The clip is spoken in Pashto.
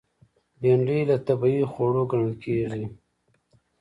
بېنډۍ له طبیعي خوړو ګڼل کېږي